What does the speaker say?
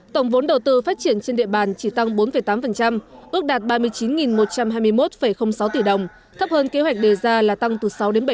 tổng vốn đầu tư phát triển trên địa bàn chỉ tăng bốn tám ước đạt ba mươi chín một trăm hai mươi một sáu tỷ đồng thấp hơn kế hoạch đề ra là tăng từ sáu bảy